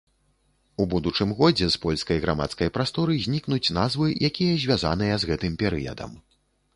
У будучым годзе з польскай грамадскай прасторы знікнуць назвы, якія звязаныя з гэтым перыядам.